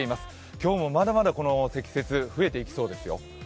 今日もまだまだこの積雪増えていきそうですよ。